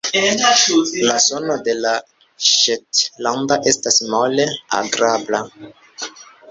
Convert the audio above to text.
La sono de la ŝetlanda estas mole agrabla.